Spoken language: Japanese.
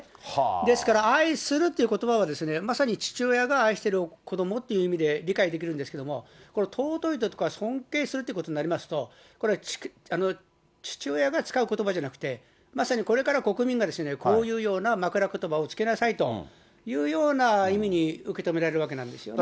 ですから愛するっていうことばは、まさに父親が愛している子どもという意味で理解できるんですけれども、この尊いだとか尊敬するってことになりますと、これは父親が使うことばじゃなくて、まさにこれから国民がこういうようなまくらことばをつけなさいというような意味に受け止められるわけなんですよね。